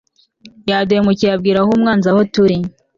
yaduhemukiye abwira umwanzi aho turi